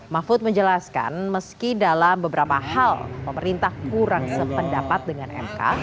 mahfud menjelaskan meski dalam beberapa hal pemerintah kurang sependapat dengan mk